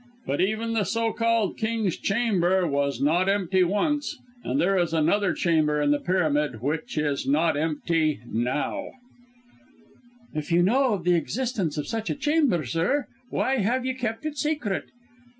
But even the so called King's Chamber was not empty once; and there is another chamber in the pyramid which is not empty now!" "If you know of the existence of such a chamber, sir, why have you kept it secret?"